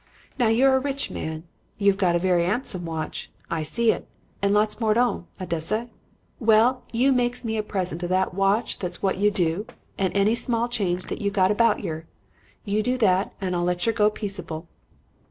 Now you're a rich man. You've got a very 'andsome watch I see it and lots more at 'ome, I dessay. Well, you makes me a present o' that watch, that's what you do; and any small change that you've got about yer. You do that and I'll let yer go peaceable.'